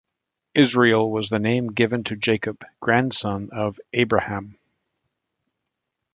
Israel was the name given to Jacob, grandson of Abraham.